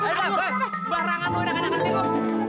barang barang lu enakan enakan sini